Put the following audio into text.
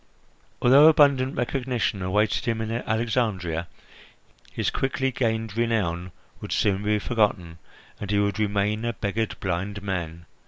Although abundant recognition awaited him in Alexandria, his quickly gained renown would soon be forgotten, and he would remain a beggared blind man.